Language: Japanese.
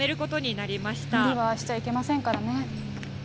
無理をしちゃいけませんからね。